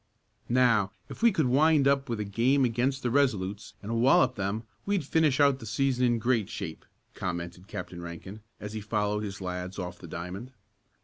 "Now, if we could wind up with a game against the Resolutes and wallop them we'd finish out the season in great shape," commented Captain Rankin, as he followed his lads off the diamond.